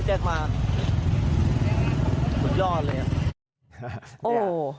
สุดยอดเลย